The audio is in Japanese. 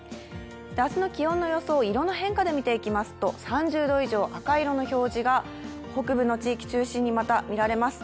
明日の気温の予想、色の変化で見ていきますと３０度以上、赤色の表示が北部の地域中心にまた見られます。